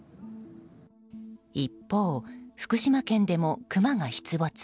一方、福島県でもクマが出没。